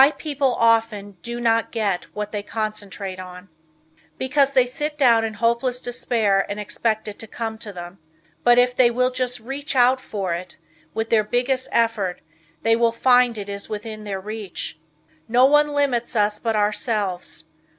Why People Often Do Not Get What They Concentrate On. Because they sit down in hopeless despair and expect it to come to them. But if they will just reach out for it with their biggest effort they will find it is within their reach. No one limits us but ourselves.